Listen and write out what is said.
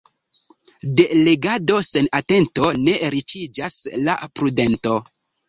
De legado sen atento ne riĉiĝas la prudento.